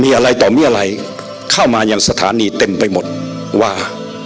มีอะไรต่อเมื่อไหร่เข้ามายังสถานีเต็มไปหมดว่า